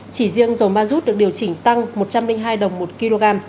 chỉ riêng dầu ma rút được điều chỉnh tăng một trăm linh hai đồng một kg